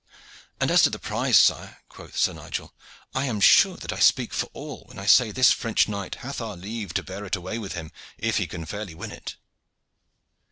"And as to the prize, sire," quoth Sir Nigel, "I am sure that I speak for all when I say this French knight hath our leave to bear it away with him if he can fairly win it."